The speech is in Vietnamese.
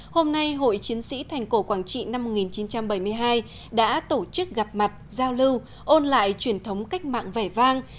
hôm nay hội chiến sĩ thành cổ quảng trị năm một nghìn chín trăm bảy mươi hai đã tổ chức gặp mặt giao lưu ôn lại truyền thống cách mạng vẻ vang